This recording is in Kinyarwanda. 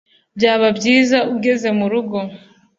Byaba byiza ugeze murugo –